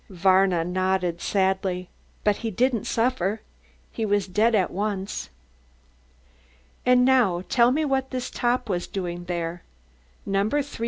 Varna nodded sadly. "But he didn't suffer, he was dead at once." "And now tell me what this top was doing there?" No.